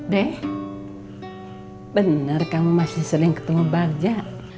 deh bener kamu masih sering ketemu barja